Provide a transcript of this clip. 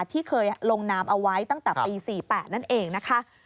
ที่เคยลงนามเอาไว้ตั้งแต่ปี๔๘นั่นเองนะคะ